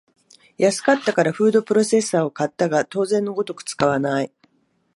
安かったからフードプロセッサーを買ったが当然のごとく使わない